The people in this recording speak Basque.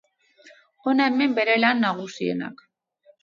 Hona hemen bere lan nagusienak.